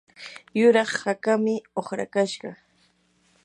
yuraq hakaami uqrakashqa.